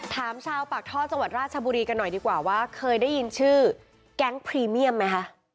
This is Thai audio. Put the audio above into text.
ชาวปากท่อจังหวัดราชบุรีกันหน่อยดีกว่าว่าเคยได้ยินชื่อแก๊งพรีเมียมไหมคะ